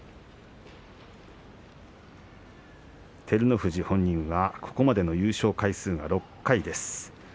照ノ富士本人はここまでの優勝回数は６回です。